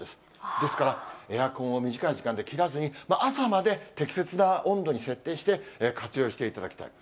ですから、エアコンを短い時間で切らずに、朝まで適切な温度に設定して、活用していただきたい。